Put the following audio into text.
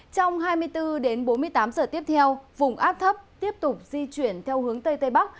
trong hai mươi bốn đến bốn mươi tám giờ tiếp theo vùng áp thấp tiếp tục di chuyển theo hướng tây tây bắc